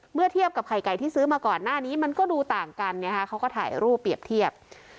เมื่อเทียบกับไข่ไก่ที่ซื้อมาก่อนหน้านี้มันก็ดูต่างกันเขาก็ถ่ายรูปเปรียบเทียบ